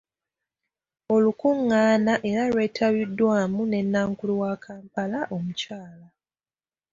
Olukungaana era lwetabiddwamu ne Nankulu wa Kampala, Omukyala.